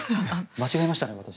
間違えましたね、私。